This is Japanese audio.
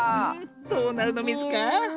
どうなるのミズか？